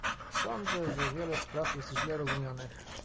Sądzę, że wiele spraw jest źle rozumianych